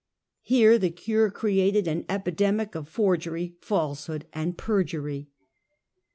Here the cure created an epidemic of forgery, falsehood and perjury.